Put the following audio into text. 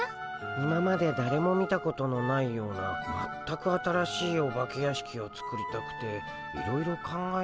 今までだれも見たことのないような全く新しいお化け屋敷を作りたくていろいろ考えているんだけど。